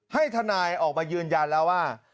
ให้ทนายออกมายืนยันแล้วว่า